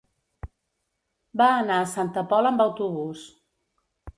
Va anar a Santa Pola amb autobús.